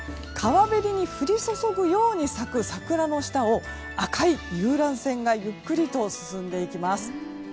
川べりに降り注ぐように咲く桜の下を赤い遊覧船がゆっくりと進んでいきます。